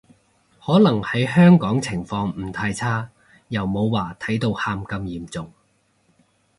可能喺香港情況唔太差，又冇話睇到喊咁嚴重